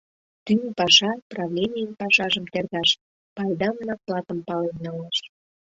Тӱҥ паша — правленийын пашажым тергаш, пайдам-наклатым пален налаш.